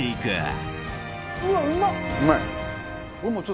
うわっうまっ！